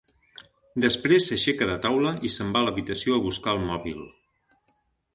Després s'aixeca de taula i se'n va a l'habitació a buscar el mòbil.